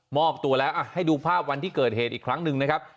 อบตัวแล้วให้ดูภาพวันที่เกิดเหตุอีกครั้งหนึ่งนะครับ